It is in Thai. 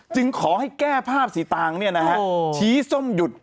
ขอให้แก้ภาพสีตางค์ชี้ส้มหยุด